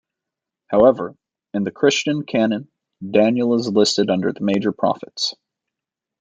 However, in the Christian canon Daniel is listed under the Major Prophets.